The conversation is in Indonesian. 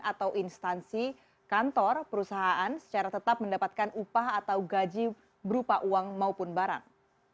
atau instansi kantor perusahaan secara tetap mendapatkan upah atau gaji berupa uang maupun barang